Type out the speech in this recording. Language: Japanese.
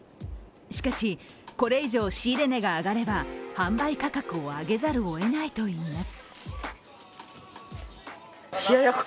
しかし、これ以上、仕入れ値が上がれば販売価格を上げざるをえないといいます。